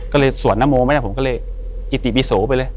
ก็เลยสวดนโมไม่ได้ผมก็เลยอิติบิโสไปเลย